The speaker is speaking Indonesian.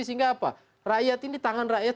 sehingga apa rakyat ini tangan rakyat